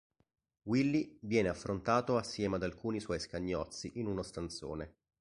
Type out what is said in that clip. Willy viene affrontato assieme ad alcuni suoi scagnozzi in uno stanzone.